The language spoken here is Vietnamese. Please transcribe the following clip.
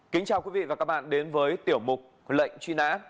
kính chào quý vị và các bạn đến với tiểu mục lệnh truy nã